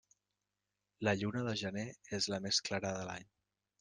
La lluna de gener és la més clara de l'any.